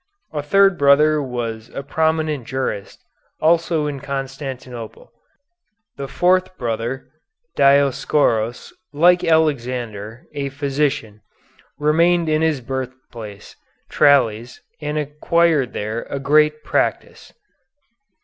A third brother was a prominent jurist, also in Constantinople. The fourth brother, Dioscoros, like Alexander, a physician, remained in his birthplace, Tralles, and acquired there a great practice.